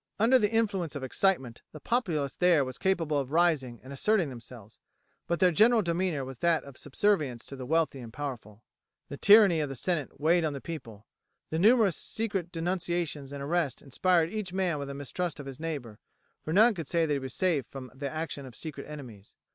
Under the influence of excitement the populace there was capable of rising and asserting themselves, but their general demeanour was that of subservience to the wealthy and powerful. The tyranny of the senate weighed on the people, the numerous secret denunciations and arrests inspired each man with a mistrust of his neighbour, for none could say that he was safe from the action of secret enemies.